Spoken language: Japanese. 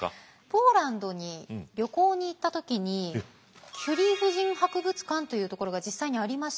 ポーランドに旅行に行った時にキュリー夫人博物館というところが実際にありまして。